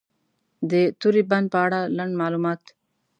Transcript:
د توری بند په اړه لنډ معلومات: